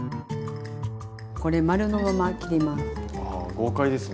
これ丸のまま切ります。